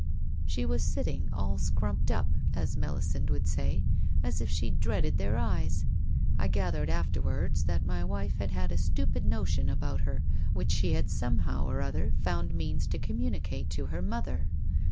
'' She was sitting, all scrumped up, as Melisande would say, as if she dreaded their eyes. I gathered afterwards that my wife had had a stupid notion about her which she had somehow or other found means to communicate to her mother.